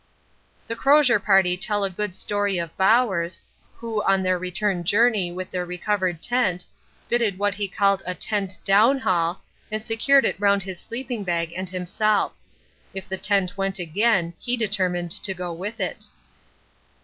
The Crozier Party tell a good story of Bowers, who on their return journey with their recovered tent fitted what he called a 'tent downhaul' and secured it round his sleeping bag and himself. If the tent went again, he determined to go with it.